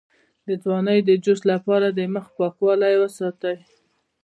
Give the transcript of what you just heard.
د ځوانۍ د جوش لپاره د مخ پاکوالی وساتئ